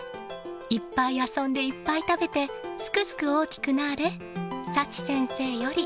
いっぱい遊んでいっぱい食べて、すくすく大きくなぁれ。